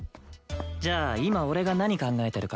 じゃあ今俺が何考えてるかわかる？